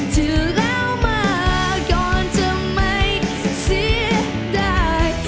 ที่เลามาก่อนจะไม่เสียได้